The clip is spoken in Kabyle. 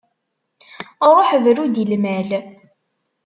Ruḥ bru-d i lmal.